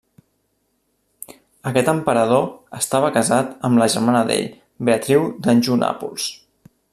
Aquest emperador estava casat amb la germana d'ell, Beatriu d'Anjou-Nàpols.